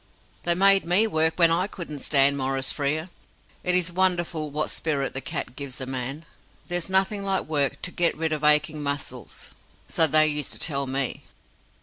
"They made me work when I couldn't stand, Maurice Frere. It is wonderful what spirit the cat gives a man. There's nothing like work to get rid of aching muscles so they used to tell me."